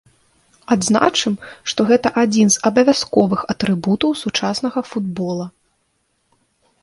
Адзначым, што гэта адзін з абавязковых атрыбутаў сучаснага футбола.